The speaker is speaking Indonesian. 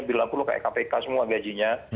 bilang aku lu kayak kpk semua gajinya